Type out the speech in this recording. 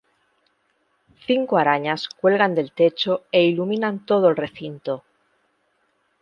Cinco arañas cuelgan del techo e iluminan todo el recinto.